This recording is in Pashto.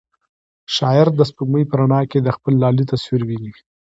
شاعر د سپوږمۍ په رڼا کې د خپل لالي تصویر ویني.